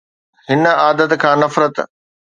هن عادت کان نفرت